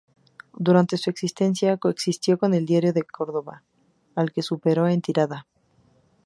Durante su existencia coexistió con el "Diario de Córdoba", al que superó en tirada.